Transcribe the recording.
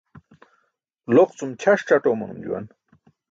Loq cum ćʰas caṭ oomanum juwan.